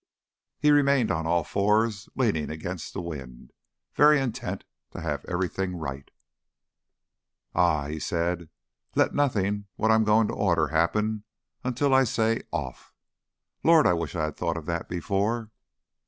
He remained on all fours, leaning against the wind, very intent to have everything right. "Ah!" he said. "Let nothing what I'm going to order happen until I say 'Off!'.... Lord! I wish I'd thought of that before!"